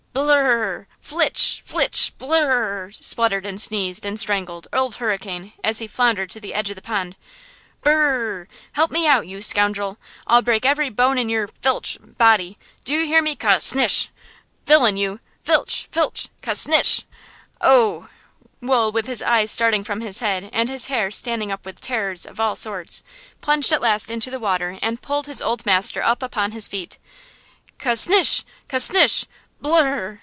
"Blurr urr rr! flitch! flitch! Blurr! ur!" spluttered and sneezed and strangled, Old Hurricane, as he floundered to the edge of the pond–" Burr urr rr! Help me out, you scoundrel! I'll break every bone in your–flitch! body! Do you hear me–ca snish!–villain you! flitch! flitch! ca snish! oh h!" Wool with his eyes starting from his head and his hair standing up with terrors of all sorts, plunged at last into the water and pulled his old master up upon his feet. "Ca snish! ca snish! blurr rr!